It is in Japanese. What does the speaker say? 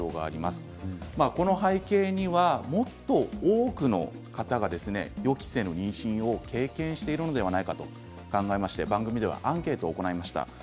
この背景にはもっと多くの方が予期せぬ妊娠を経験しているのではないかと考えまして番組ではアンケートを行いました。